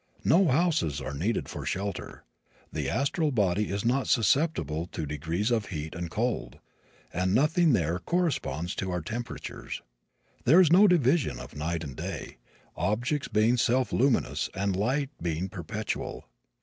No houses are needed for shelter. The astral body is not susceptible to degrees of heat and cold, and nothing there corresponds to our temperatures. There is no division of night and day, objects being self luminous and light being perpetual.